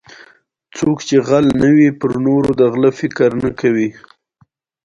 بدن د استراحت پر مهال پینځهویشت سلنه انرژي مغزو ته ورکوي.